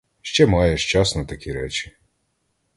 Ще маєш час на такі речі.